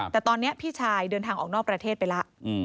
แต่ตอนนี้พี่ชายเดินทางออกนอกประเทศไปแล้ว